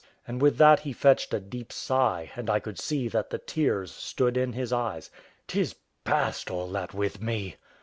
(and with that he fetched a deep sigh, and I could see that the tears stood in his eyes) "'tis past all that with me."